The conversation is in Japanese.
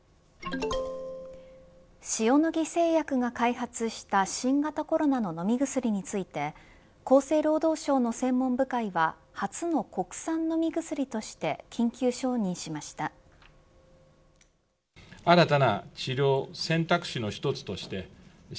塩野義製薬が開発した新型コロナ飲み薬について厚生労働省の専門部会は初の国産飲み薬として緊急承認しました。